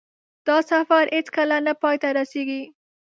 دا سفر هېڅکله نه پای ته رسېږي.